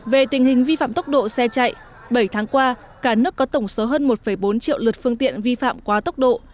về tình hình vi phạm tốc độ xe chạy bảy tháng qua cả nước có tổng số hơn một bốn triệu lượt phương tiện vi phạm quá tốc độ